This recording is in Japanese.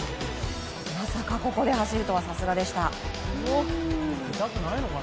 まさかここで走るとはさすがでした。